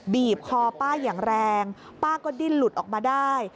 บีบคอป้าอย่างแรงป้าก็ดิ้นหลุดออกมาได้